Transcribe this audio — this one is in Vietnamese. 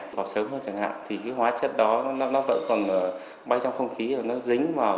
vào sớm hơn chẳng hạn thì hóa chất đó vẫn còn bay trong không khí